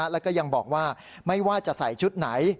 แล้วก็ยังบอกว่าไม่ว่าจะใส่ชุดไหน